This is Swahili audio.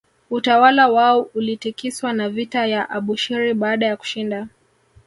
Utawala wao ulitikiswa na vita ya Abushiri baada ya kushinda